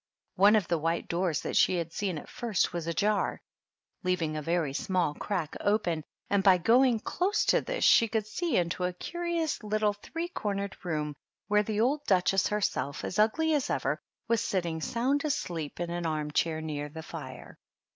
One of the white doors that she had seen at first was ajar, leaving a very small crack open, and by going close to this she could see into a curious little three cornered room, where the old Duchess her self, as ugly as ever, was sitting sound asleep in THE DUCHESS AND HEE HOtlSE. 45 an arm chair near the fire.